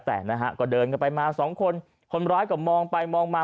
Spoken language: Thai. แต่นะฮะก็เดินกันไปมาสองคนคนร้ายก็มองไปมองมา